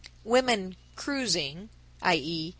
Women "cruising," _i.e.